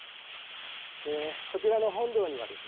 こちらの本堂にはですね